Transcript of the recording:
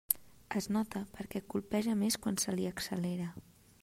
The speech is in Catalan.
Es nota perquè colpeja més quan se li accelera.